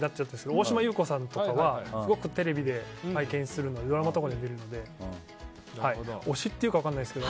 大島優子さんとかはすごくテレビで拝見するのでいろんなところで見るので推しっていうか分からないですけど